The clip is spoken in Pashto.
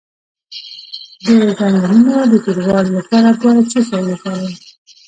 د زنګونونو د توروالي لپاره باید څه شی وکاروم؟